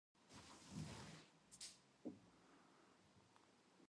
Қыздың көзі қызылда, әйелдің көзі әдеміде.